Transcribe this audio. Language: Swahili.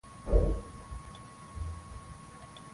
Hata hivyo Wakristo wachache wanaamini kuwa